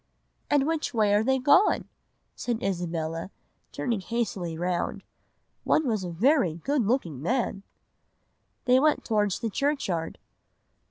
"'And which way are they gone?' said Isabella, turning hastily round. 'One was a very good looking young man.' "'They went towards the churchyard.